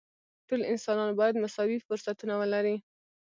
ټول انسانان باید مساوي فرصتونه ولري.